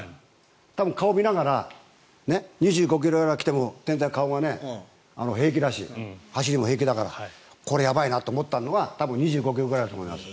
多分顔を見ながら２５ｋｍぐらいに来ても顔が平気だし走りも平気だからこれはやばいと思ったのは２５ｋｍぐらいだと思います。